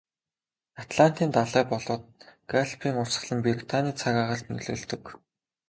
Атлантын далай болоод Галфын урсгал нь Британийн цаг агаарт нөлөөлдөг.